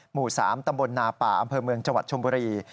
หมู่๓ตำบลนาป่าอำเภอเมืองจังหวัดชมบุรี